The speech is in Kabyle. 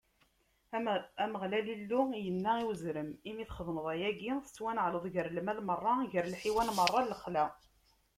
Ameɣlal Illu yenna i uzrem: Imi i txedmeḍ ayagi, tettwaneɛleḍ gar lmal meṛṛa, gar lḥiwan meṛṛa n lexla.